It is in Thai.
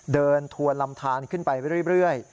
ทวนลำทานขึ้นไปเรื่อย